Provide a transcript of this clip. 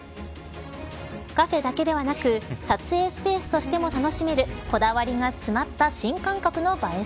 カフェだけではなく撮影スペースとしても楽しめるこだわりが詰まった新感覚の映え